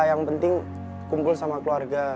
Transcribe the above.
yang penting kumpul sama keluarga